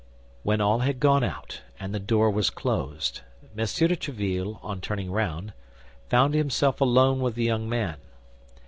When all had gone out and the door was closed, M. de Tréville, on turning round, found himself alone with the young man.